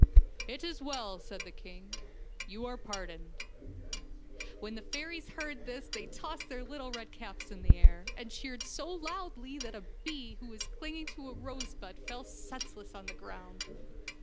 " It is well," said the king, " you are par doned." When the fairies heard this they tossed their little red caps in the air, and cheered so loudly that a bee who was clinging to a rose bud fell senseless to the ground.